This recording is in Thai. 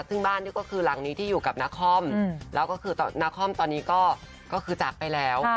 ซึ่งบ้านนี่ก็คือหลังนี้ที่อยู่กับนาคอมแล้วก็คือนาคอมตอนนี้ก็คือจากไปแล้ว